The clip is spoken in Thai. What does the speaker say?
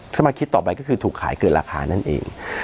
ถ้ามาคิดต่อไปก็คือถูกขายเกินราคานั่นเอง